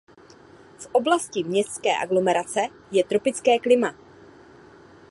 V oblasti městské aglomerace je tropické klima.